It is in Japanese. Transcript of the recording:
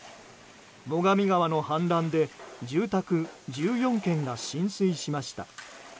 最上川の氾濫で住宅１４軒が浸水しました。